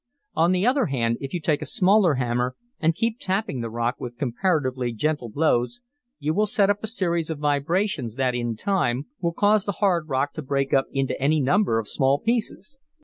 "On the other hand, if you take a smaller hammer, and keep tapping the rock with comparatively gentle blows, you will set up a series of vibrations, that, in time, will cause the hard rock to break up into any number of small pieces.